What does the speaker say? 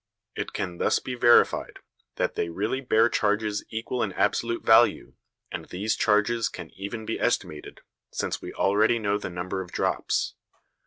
It can thus be verified that they really bear charges equal in absolute value, and these charges can even be estimated, since we already know the number of drops.